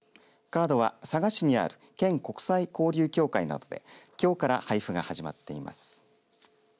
カードは佐賀市にある県国際交流協会などできょうから配布が始まっています。